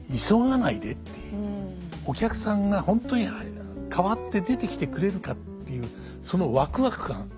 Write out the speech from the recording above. お客さんが「本当に替わって出てきてくれるか」っていうそのワクワク感